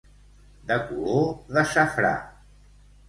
De color de safrà.